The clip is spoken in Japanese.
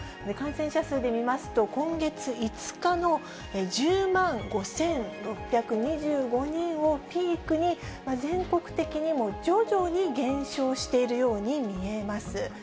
感染者数で見ますと、今月５日の１０万５６２５人をピークに、全国的にも徐々に減少しているように見えます。